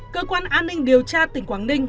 cơ quan an ninh điều tra tỉnh quảng ninh